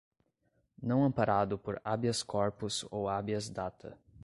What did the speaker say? não amparado por "habeas-corpus" ou "habeas-data"